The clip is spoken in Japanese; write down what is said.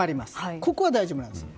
ここは大丈夫です。